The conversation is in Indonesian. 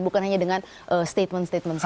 bukan hanya dengan statement statement saja